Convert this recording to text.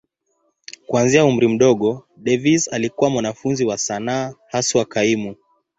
Kuanzia umri mdogo, Davis alikuwa mwanafunzi wa sanaa, haswa kaimu.